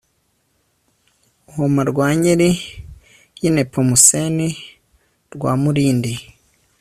UbuhomaRwankeri Y Nepomuseni Rwamurindi